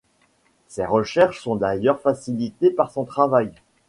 Ses recherches sont d'ailleurs facilitées par son travail.